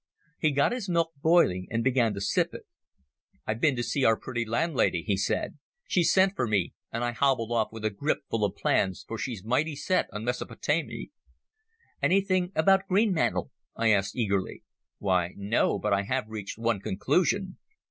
He got his milk boiling and began to sip it. "I've been to see our pretty landlady," he said. "She sent for me and I hobbled off with a grip full of plans, for she's mighty set on Mesopotamy." "Anything about Greenmantle?" I asked eagerly. "Why, no, but I have reached one conclusion.